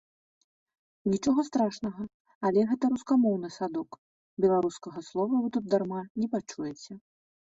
Нічога страшнага, але гэта рускамоўны садок, беларускага слова вы тут дарма не пачуеце.